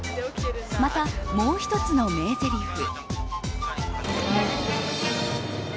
またもう１つの名ぜりふ。